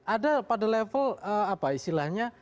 ada pada level apa istilahnya